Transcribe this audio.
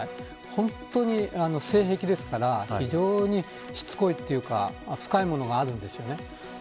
本当に性癖ですから非常にしつこいというか深いものがあるんです。